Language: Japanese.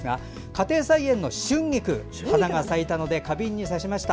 家庭菜園の春菊、花が咲いたので花瓶に挿しました。